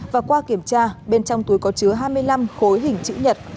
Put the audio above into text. và qua kiểm tra bên trong túi có chứa hai mươi năm khối hình chữ nhật